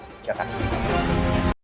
jangan lupa like share dan subscribe